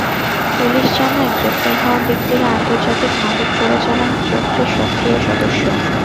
Police জানায়, গ্রেপ্তার হওয়া ব্যক্তিরা আন্তর্জাতিক মাদক চোরাচালান চক্রের সক্রিয় সদস্য।